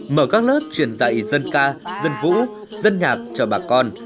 mở các lớp truyền dạy dân ca dân vũ dân nhạc cho bà con